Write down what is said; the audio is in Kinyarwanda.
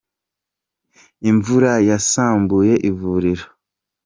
Imvura yasambuye ivuriro